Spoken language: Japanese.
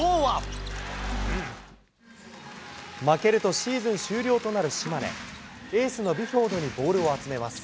負けるとシーズン終了となる島根、エースのビュフォードにボールを集めます。